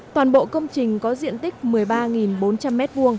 toàn bộ công trình có diện tích một mươi ba bốn trăm linh m hai